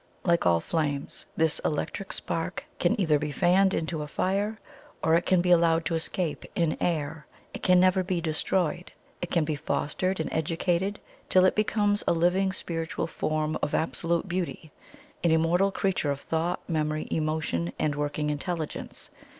"Like all flames, this electric spark can either be fanned into a fire or it can be allowed to escape in air IT CAN NEVER BE DESTROYED. It can be fostered and educated till it becomes a living Spiritual Form of absolute beauty an immortal creature of thought, memory, emotion, and working intelligence.